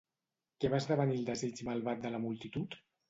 Què va esdevenir el desig malvat de la multitud?